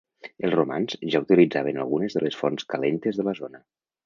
Els romans ja utilitzaven algunes de les fonts calentes de la zona.